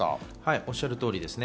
おっしゃる通りですね。